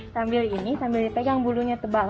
sambil ini sambil dipegang bulunya tebal